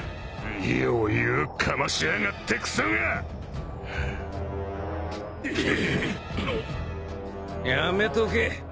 余裕かましやがってクソが！やめとけ。